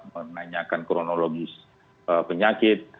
menanyakan kronologi penyakit